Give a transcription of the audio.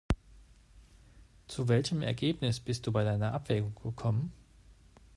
Zu welchem Ergebnis bist du bei deiner Abwägung gekommen?